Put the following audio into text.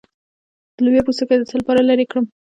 د لوبیا پوستکی د څه لپاره لرې کړم؟